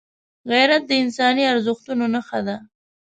غیرت د انساني ارزښتونو نښه ده